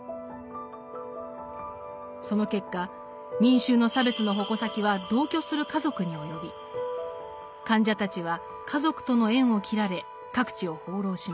その結果民衆の差別の矛先は同居する家族に及び患者たちは家族との縁を切られ各地を放浪しました。